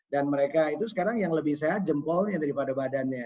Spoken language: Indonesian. dan mereka itu sekarang yang lebih sehat jempolnya daripada badannya